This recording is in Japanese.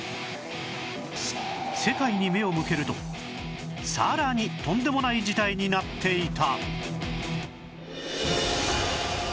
世界に目を向けるとさらにとんでもない事態になっていた！